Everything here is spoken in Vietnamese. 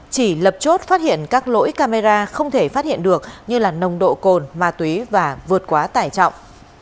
chỉ lập chốt phát hiện các lỗi camera không thể phát hiện được như là nồng độ cồn ma túy và vượt quá tải trọng